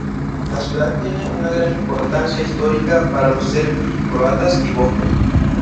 La ciudad tiene una gran importancia histórica para los serbios, croatas y bosnios.